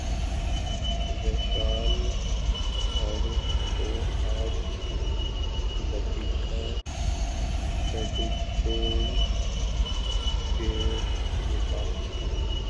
ویشال بھردواج دپیکا پڈوکون کے مداح